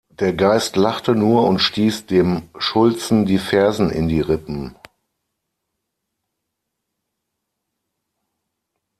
Der Geist lachte nur und stieß dem Schulzen die Fersen in die Rippen.